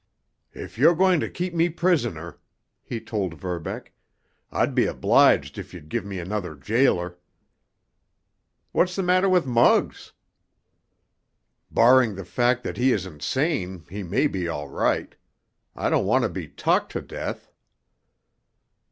"If you're going to keep me prisoner," he told Verbeck, "I'd be obliged if you'd give me another jailer." "What's the matter with Muggs?" "Barring the fact that he is insane, he may be all right. I don't want to be talked to death."